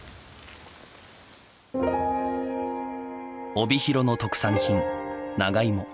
帯広の特産品長いも。